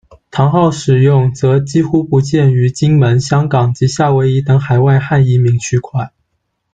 堂号使用则几乎不见于金门、香港，及夏威夷等海外汉移民区块。